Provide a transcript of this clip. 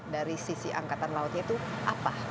dari sisi angkatan lautnya itu apa